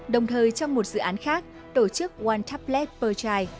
đồng thời trong một dự án khác tổ chức one tablet per child